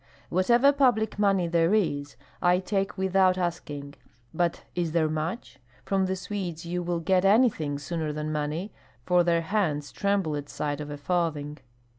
Whatever public money there is, I take without asking; but is there much? From the Swedes you will get anything sooner than money, for their hands tremble at sight of a farthing."